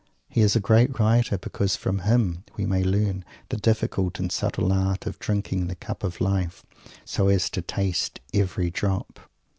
He is a great writer, because from him we may learn the difficult and subtle art of drinking the cup of life _so as to taste every drop.